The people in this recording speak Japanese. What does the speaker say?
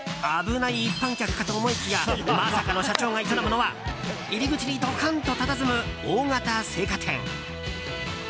危ない一般客かと思いきやまさかの社長が営むのは入り口にドカンとたたずむ大型青果店。